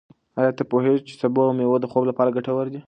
ایا ته پوهېږې چې سبو او مېوې د خوب لپاره ګټور دي؟